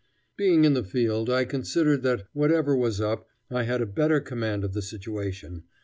Being in the field I considered that, whatever was up, I had a better command of the situation.